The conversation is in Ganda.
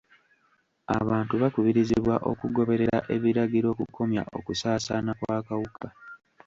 Abantu bakubirizibwa okugoberera ebiragiro okukomya okusaasaana kw'akawuka.